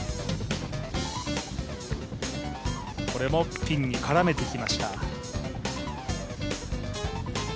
これもピンに絡めてきました。